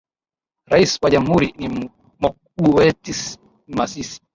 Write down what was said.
Rais wa jamhuri ni Mokgweetsi Masisi